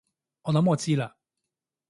我諗我知喇